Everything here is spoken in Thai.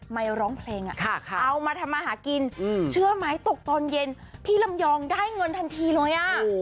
ร้องเพลงเอามาทำมาหากินเชื่อไหมตกตอนเย็นพี่ลำยองได้เงินทันทีเลยอ่ะ